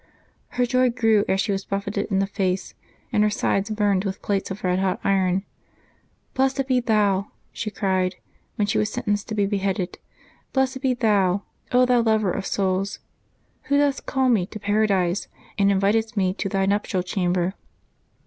Her joy grew as she was buffeted in the face and her sides burned with plates of red hot iron. "Blessed be Thou," she cried, when she was sentenced to be beheaded, — "blessed be Thou, Thou Lover of souls ! Who dost call me to Para dise, and invitest me to Thy nuptial chamber."